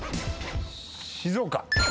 静岡。